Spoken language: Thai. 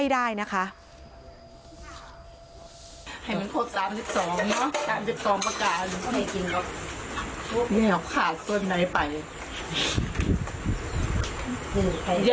เดี๋ยวขาดตนไหนไป